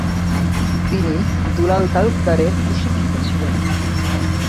তিনি দুলাল তালুকদারের প্রশিক্ষিত ছিলেন।